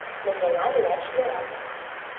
Нунылан лач йӧра.